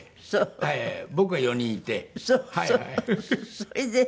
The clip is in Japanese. それで。